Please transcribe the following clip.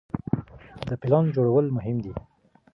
د پلان جوړول مهم دي.